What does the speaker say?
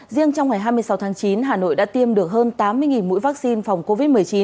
riêng trong ngày hai mươi sáu tháng chín hà nội đã tiêm được hơn tám mươi mũi vaccine phòng covid một mươi chín